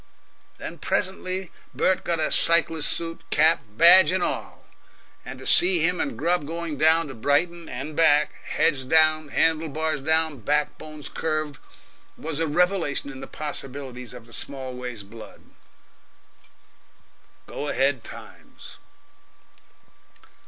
Then presently Bert got a cyclist's suit, cap, badge, and all; and to see him and Grubb going down to Brighton (and back) heads down, handle bars down, backbones curved was a revelation in the possibilities of the Smallways blood. Go ahead Times!